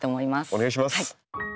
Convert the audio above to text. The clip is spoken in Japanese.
お願いします。